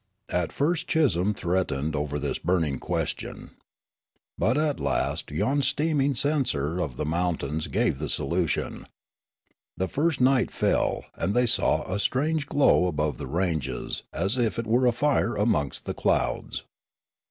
" At first schism threatened over this burning ques tion. But at last yon steaming censer of the mountains gave the solution. The first night fell, and thej' saw a strange glow above the ranges as if it were a fire amongst the clouds.